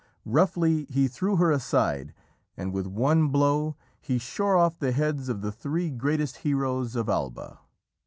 Roughly he threw her aside, and with one blow he shore off the heads of the three greatest heroes of Alba.